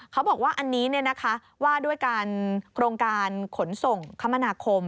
เขาบอกว่าอันนี้ว่าด้วยการโครงการขนส่งคมนาคม